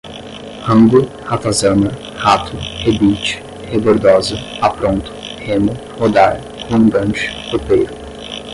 rango, ratazana, rato, rebite, rebordoza, apronto, remo, rodar, rondante, ropeiro